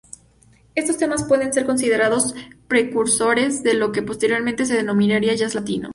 Estos temas pueden ser considerados precursores de lo que posteriormente se denominaría jazz latino.